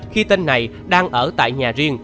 khi tên này đang ở tại nhà riêng